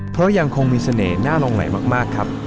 เพราะยังคงมีเสน่หน่าลงไหลมากครับ